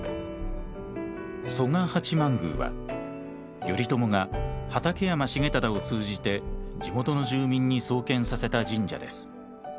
曽我八幡宮は頼朝が畠山重忠を通じて地元の住民に創建させた神社です。